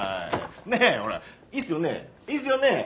ねえほらいいっすよねえ。